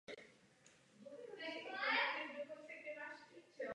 Jeho díla byla ovlivněna hlavně televizí ve všech podobách.